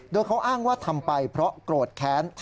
โดยเขาอ้างว่าทำไปเพราะโกรธแค้นแทนพ่อเลี้ยง